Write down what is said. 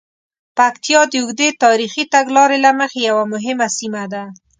پکتیا د اوږدې تاریخي تګلارې له مخې یوه مهمه سیمه ده.